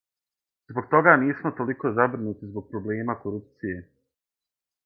Због тога нисмо толико забринути због проблема корупције.